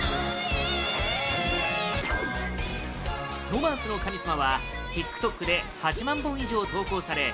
「ロマンスの神様」はＴｉｋＴｏｋで８万本以上投稿され